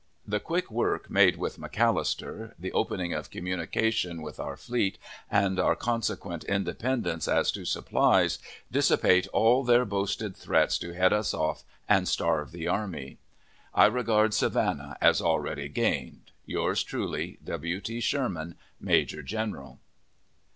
The quick work made with McAllister, the opening of communication with our fleet, and our consequent independence as to supplies, dissipate all their boasted threats to head us off and starve the army. I regard Savannah as already gained. Yours truly, W. T. SHERMAN, Major General.